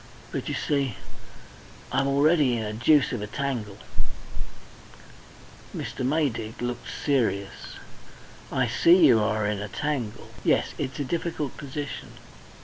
But, you see, I'm already in a deuce of a tangle " Mr. Maydig looked serious. "I see you are in a tangle. Yes, it's a difficult position.